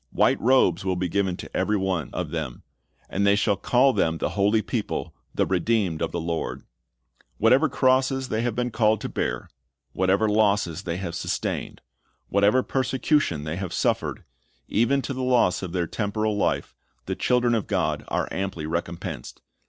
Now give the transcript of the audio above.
White robes will be given to every one of them. And "they shall call them the holy people, the redeemed of the Lord."^ Whatever crosses they have been called to bear, whatever losses they have sustained, whatever persecution they have suffered, even to the loss of their temporal life, the children of God are amply recompensed.